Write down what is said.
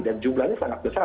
dan jumlahnya sangat besar